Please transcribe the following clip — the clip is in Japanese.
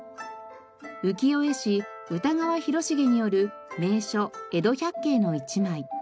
浮世絵師歌川広重による『名所江戸百景』の一枚。